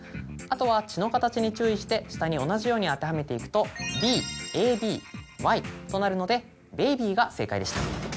あとは血の形に注意して下に同じように当てはめていくと「ＢＡＢＹ」となるのでＢＡＢＹが正解でした。